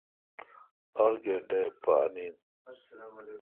اڑ گینٹہ اے° پان این۔